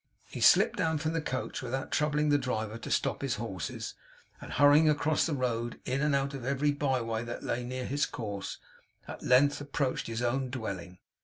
He slipped down from the coach without troubling the driver to stop his horses; and hurrying across the road, and in and out of every by way that lay near his course, at length approached his own dwelling.